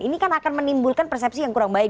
ini kan akan menimbulkan persepsi yang kurang baik